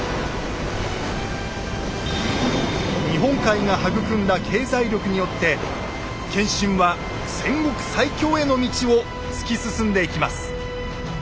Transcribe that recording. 日本海が育んだ経済力によって謙信は戦国最強への道を突き進んでいきます。